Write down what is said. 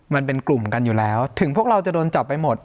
มันเป็นกลุ่มกันอยู่แล้วถึงพวกเราจะโดนจับไปหมด